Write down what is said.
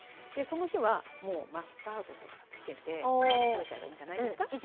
でその日はもうマスタードとかつけて食べちゃえばいいんじゃないですか。